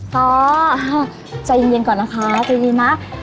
ซอสใจเย็นก่อนนะคะใจเย็นมาก